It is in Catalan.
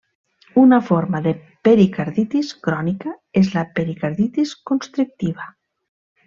Una forma de pericarditis crònica és la pericarditis constrictiva.